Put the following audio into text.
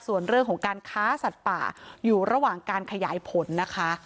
ส่วนเรื่องของการค้าสัตว์ป่าอยู่ระหว่างการขยายผลนะคะ